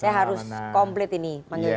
saya harus komplit ini